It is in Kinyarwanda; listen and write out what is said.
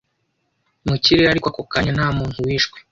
mu kirere ariko ako kanya nta muntu wishwe